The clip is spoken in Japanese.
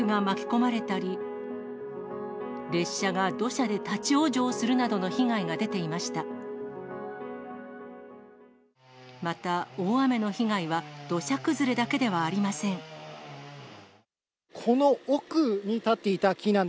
また、大雨の被害は土砂崩れだけではありません。